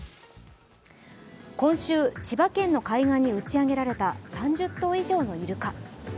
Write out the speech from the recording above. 今週、千葉県の海岸に打ち上げられた３０頭以上のイルカ。